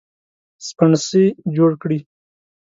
سپڼسي جوړ کړي